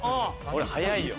これ早いよ。